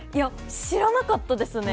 知らなかったですね